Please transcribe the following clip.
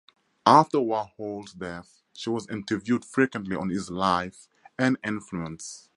After Warhol's death, she was interviewed frequently on his life and influence.